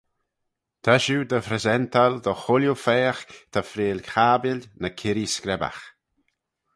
Ta shiu dy phresental dy chooilley pheccagh ta freayl cabbil ny kirree screbbagh.